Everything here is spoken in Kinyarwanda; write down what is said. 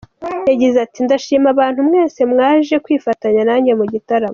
Yagize ati “Ndashima abantu mwese mwaje kwifatanya nanjye mu gitaramo.